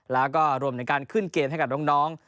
แล้วก็รวมถึงการขึ้นเกมให้กับน้อง